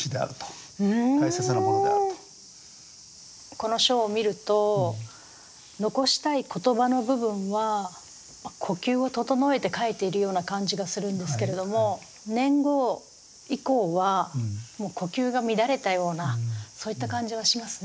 この書を見ると残したい言葉の部分は呼吸を整えて書いているような感じがするんですけれども年号以降はもう呼吸が乱れたようなそういった感じがしますね。